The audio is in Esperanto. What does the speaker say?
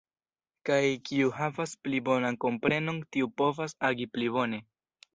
Kaj kiu havas pli bonan komprenon, tiu povas agi pli bone.